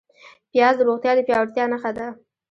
پیاز د روغتیا د پیاوړتیا نښه ده